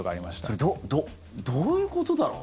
それどういうことだろう？